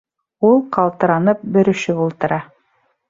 Ул, ҡалтыранып, бөрөшөп ултыра.